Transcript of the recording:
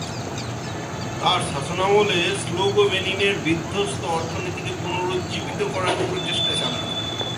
তার শাসনামলে সোগ্লো বেনিনের বিধ্বস্ত অর্থনীতিকে পুনরুজ্জীবিত করার প্রচেষ্টা চালান।